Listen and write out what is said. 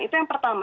itu yang pertama